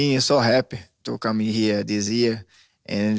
คือเจ็บแต่เรื่องมือดีอยู่มีทีมต่อ